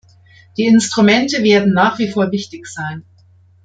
Die Instrumente werden nach wie vor wichtig sein.